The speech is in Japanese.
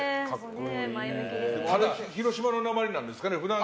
広島のなまりなんですかね